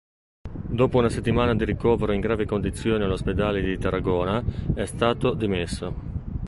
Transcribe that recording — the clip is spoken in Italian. Dopo una settimana di ricovero in gravi condizioni all'ospedale di Tarragona è stato dimesso.